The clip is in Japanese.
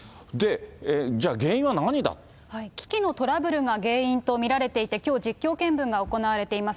じゃあ、機器のトラブルが原因と見られていて、きょう実況見分が行われています。